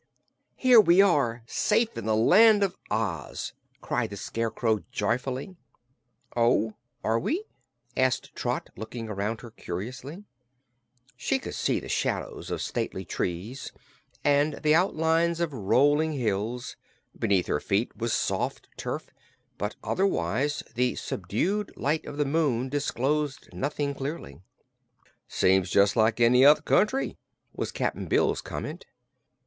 "Here we are, safe in the Land of Oz!" cried the Scarecrow joyfully. "Oh, are we?" asked Trot, looking around her curiously. She could see the shadows of stately trees and the outlines of rolling hills; beneath her feet was soft turf, but otherwise the subdued light of the moon disclosed nothing clearly. "Seems jus' like any other country," was Cap'n Bill's comment.